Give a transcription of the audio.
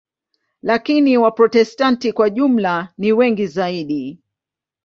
Lakini Waprotestanti kwa jumla ni wengi zaidi.